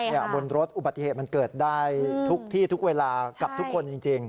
บนรถอุบัติเหตุมันเกิดได้ทุกที่ทุกเวลากับทุกคนจริง